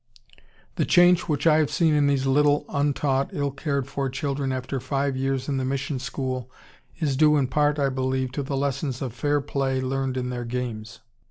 The change which I have seen in these little, un taught, ill cared for children after five years in the mission school is due in part, I believe, to the lessons of 'fair play' learned in their games."